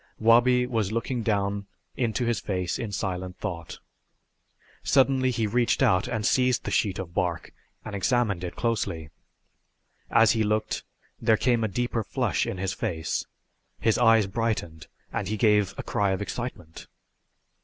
Wabi was looking down into his face in silent thought. Suddenly he reached out and seized the sheet of bark and examined it closely. As he looked there came a deeper flush in his face, his eyes brightened and he gave a cry of excitement.